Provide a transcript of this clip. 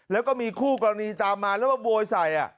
แล้วก็มีคู่กรณีตามมาแล้วมาโวยใส่